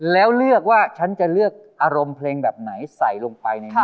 แล้วเลือกว่าฉันจะเลือกอารมณ์เพลงแบบไหนใส่ลงไปในนี้